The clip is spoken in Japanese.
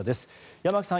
山木さん